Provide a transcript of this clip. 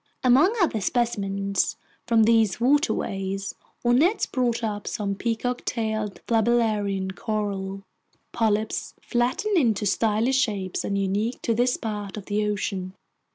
Among other specimens from these waterways, our nets brought up some peacock tailed flabellarian coral, polyps flattened into stylish shapes and unique to this part of the ocean.